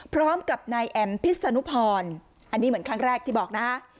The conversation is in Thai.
พร้อมกับนายแอ๋มพิษนุพรอันนี้เหมือนครั้งแรกที่บอกนะฮะ